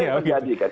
itu yang terjadi kan